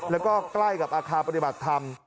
แล้วก็ใกล้กับอาคารปฏิบัติธรรม